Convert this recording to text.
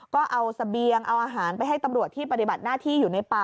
ก็เอาเสบียงเอาอาหารไปให้ตำรวจที่ปฏิบัติหน้าที่อยู่ในป่า